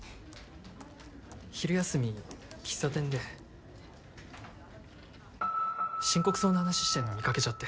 昼休み喫茶店で深刻そうな話してるの見かけちゃって。